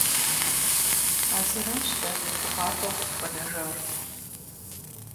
А зыращ дэ гугъапӀэу къытхуэнэжар.